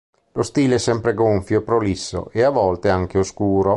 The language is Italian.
Lo stile è sempre gonfio e prolisso, e a volte anche oscuro.